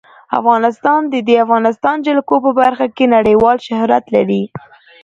افغانستان د د افغانستان جلکو په برخه کې نړیوال شهرت لري.